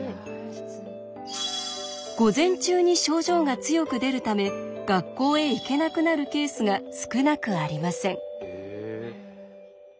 午前中に症状が強く出るため学校へ行けなくなるケースが少なくありません。